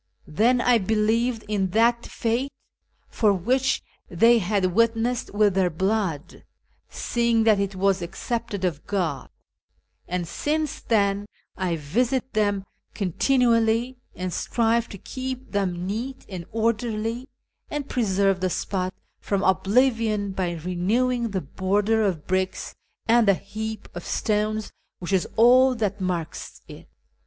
'" Then I believed in that faith for which they had witnessed with their blood, seeing that it was accepted of God ; and since then I visit them continually, and strive to keep them neat and orderly, and preserve the spot from oblivion by renewing the border of bricks and the heap of stones which is all that marks it."